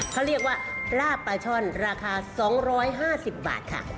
เขาเรียกว่าลาบปลาช่อนราคา๒๕๐บาทค่ะ